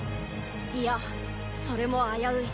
いやそれも危うい。